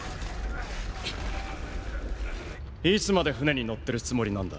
いつまで船に乗ってるつもりなんだ。